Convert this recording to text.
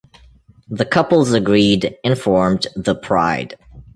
The couples agreed, and formed The Pride.